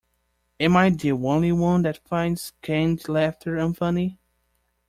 Am I the only one that finds canned laughter unfunny?